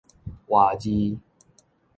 活字